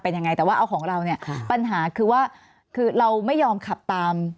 เป็นยังไงแต่ว่าเอาของเราเนี่ยปัญหาคือว่าคือเราไม่ยอมขับตาม